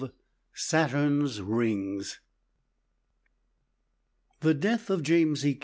SATURN'S RINGS The death of James E.